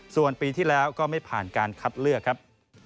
ส่วนปีที่แล้วก็ไม่ผ่านการคัดเลือกครับ